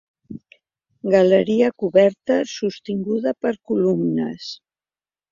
Galeria coberta sostinguda per columnes.